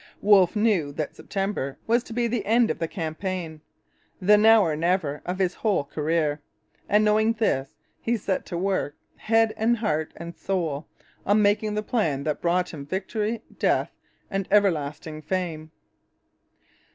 Wolfe knew that September was to be the end of the campaign, the now or never of his whole career. And, knowing this, he set to work head and heart and soul on making the plan that brought him victory, death, and everlasting fame.